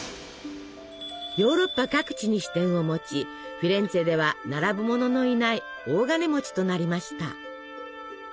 ヨーロッパ各地に支店を持ちフィレンツェでは並ぶ者のいない大金持ちとなりました。